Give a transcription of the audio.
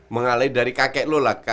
mengalih dari kakek lu lah